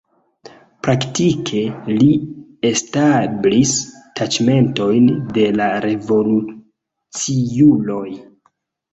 Praktike li establis taĉmentojn de la revoluciuloj.